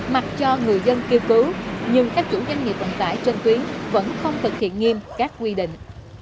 mặc cho người dân kêu cứu nhưng các chủ doanh nghiệp vận tải trên tuyến vẫn không thực hiện nghiêm các quy định